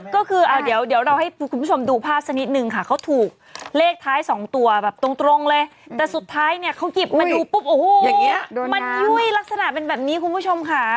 ก็คือเอาเดี๋ยวเราให้คุณผู้ชมดูภาพสักนิดนึงค่ะเขาถูกเลขท้าย๒ตัวแบบตรงเลยแต่สุดท้ายเนี่ยเขาหยิบมาดูปุ๊บโอ้โหอย่างนี้มันยุ่ยลักษณะเป็นแบบนี้คุณผู้ชมค่ะ